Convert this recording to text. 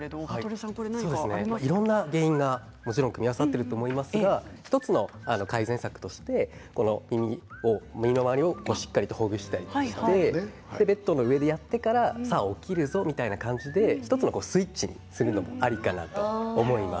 いろいろな原因が組み合わさっていると思いますが１つの改善策として、耳の周りをしっかり、ほぐしてあげてベッドの上でやってからさあ起きるぞという感じで１つのスイッチにするのもありかなと思います。